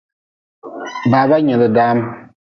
Baba nyili dam.